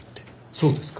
そうですか。